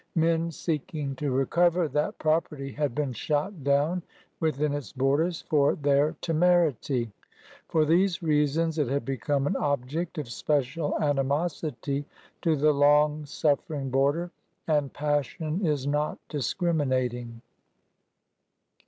Men seeking to recover that property had been shot down within its borders for their temerity. For these reasons it had become an object of special animosity to the long suffering border, and passion is not discriminating.